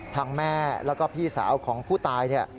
ทางแม่แล้วก็พี่สาวของผู้ตายเนี่ย